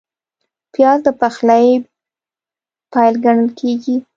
پیاز د پخلي پیل ګڼل کېږي